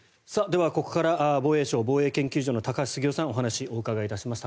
では、ここから防衛省防衛研究所の高橋杉雄さんにお話をお伺いします。